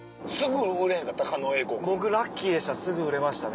僕ラッキーでしたすぐ売れましたね。